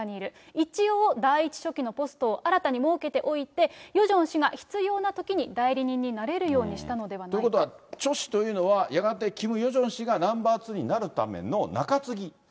一応、第１書記のポストを新たに設けておいて、ヨジョン氏が必要なときに代理人になれるようにしたのではないか。ということは、チョ氏というのは、やがてキム・ヨジョン氏がナンバー２になるための中継ぎ。